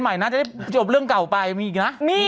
แม่แม่แม่แม่แม่